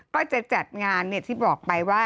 ก็จะจัดงานที่บอกไปว่า